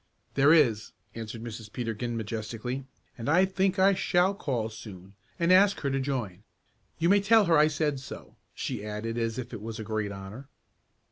"There is," answered Mrs. Peterkin majestically, "and I think I shall call soon, and ask her to join. You may tell her I said so," she added as if it was a great honor.